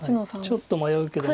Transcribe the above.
ちょっと迷うけど。